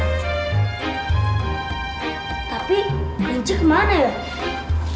tapi kelinci kemana ya